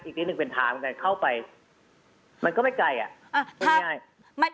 เข้าไปมันก็ไม่ไกลอะ